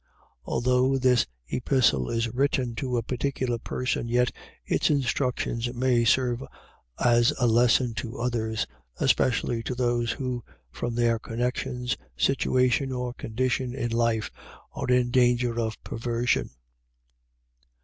Although this Epistle is written to a particular person, yet its instructions may serve as a lesson to others, especially to those who, from their connections, situation, or condition in life, are in danger of perversion.